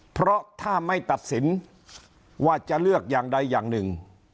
เพราะถ้าไม่ตัดสินว่าจะเลือกอย่างใดอย่างหนึ่ง